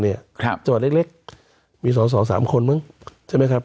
จังหวัดเล็กมีสองสามคนใช่ไหมครับ